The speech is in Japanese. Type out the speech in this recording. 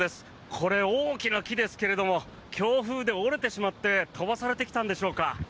これ、大きな木ですけども強風で折れてしまって飛ばされてきたんでしょうか。